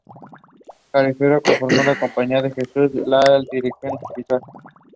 These types of nonlocal responses can be induced by long distance signaling.